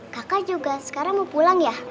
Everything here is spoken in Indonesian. kakak juga sekarang mau pulang ya